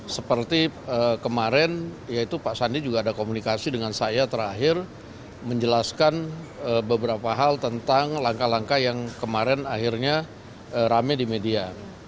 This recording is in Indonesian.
seperti kemarin yaitu pak sandi juga ada komunikasi dengan saya terakhir menjelaskan beberapa hal tentang langkah langkah yang kemarin akhirnya rame di media